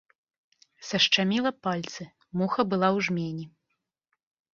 Сашчаміла пальцы, муха была ў жмені.